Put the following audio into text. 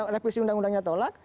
reprisi undang undangnya tolak